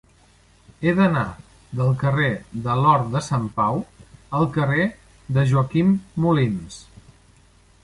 He d'anar del carrer de l'Hort de Sant Pau al carrer de Joaquim Molins.